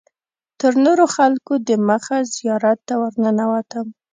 تر نورو خلکو دمخه زیارت ته ورننوتم.